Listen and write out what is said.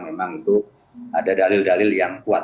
memang itu ada dalil dalil yang kuat